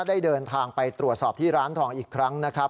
ได้เดินทางไปตรวจสอบที่ร้านทองอีกครั้งนะครับ